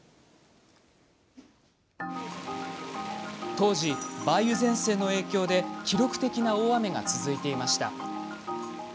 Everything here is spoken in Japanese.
当時、梅雨前線の影響で記録的な大雨が続いていました。